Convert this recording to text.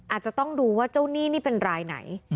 อาจจะต้องดูว่าเจ้าหนี้นี่เป็นรายไหน